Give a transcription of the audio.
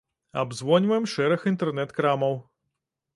Абзвоньваем шэраг інтэрнэт крамаў.